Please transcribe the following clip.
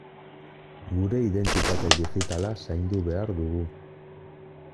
Geure identitate digitala zaindu behar dugu.